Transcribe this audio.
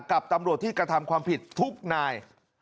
กับตำรวจที่กระทำความผิดทุกนาย